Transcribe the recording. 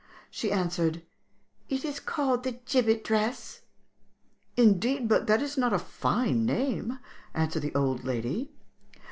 She answered, 'It is called the "gibbet dress."' 'Indeed; but that is not a fine name!' answered the old lady.